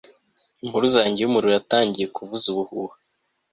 impuruza yanjye yumuriro yatangiye kuvuza ubuhuha